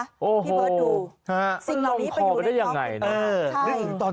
พี่เพิร์ตดูสิ่งเหล่านี้ไปอยู่ในกล้อง